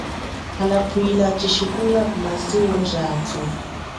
Hala pwila tshishikupwa kuya kumazuwo jathu.